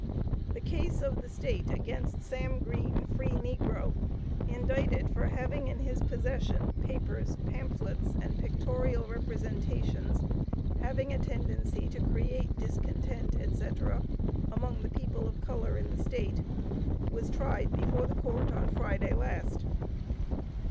The case of the State against Sam Green (free negro) indicted for having in his possession, papers, pamphlets and pictorial representations, having a tendency to create discontent, etc., among the people of color in the State, was tried before the court on Friday last.